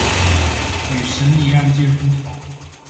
與審理案件不同